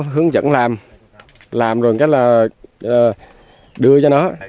hướng dẫn làm làm rồi đưa cho nó